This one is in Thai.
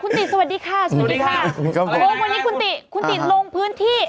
คุณติสวัสดีค่ะคุณวันนี้คุณติคุณติลงพื้นที่